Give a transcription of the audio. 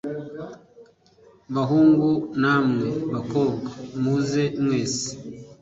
bahungu namwe bakobwa muze mwese